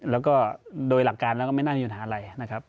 แล้วก็โดยหลักการแล้วก็ไม่น่ามีปัญหาอะไรนะครับ